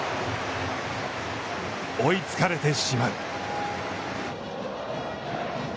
追いつかれてしまう。